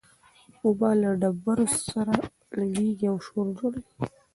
اوبه له ډبرو سره لګېږي او شور جوړوي.